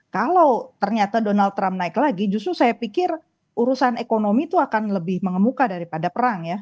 kalau ternyata donald trump naik lagi justru saya pikir urusan ekonomi itu akan lebih mengemuka daripada perang ya